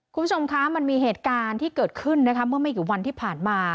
คุณผู้ชมคะมันมีเหตุการณ์ที่เกิดขึ้นนะคะเมื่อไม่กี่วันที่ผ่านมา